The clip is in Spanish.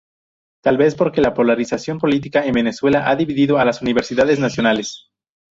Tal vez, porque la polarización política en Venezuela, han dividido a las universidades nacionales.